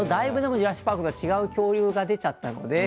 「ジュラシック・パーク」と違う恐竜が出ちゃったので。